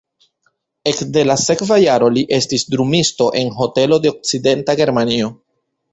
Ekde la sekva jaro li estis drumisto en hotelo de Okcidenta Germanio.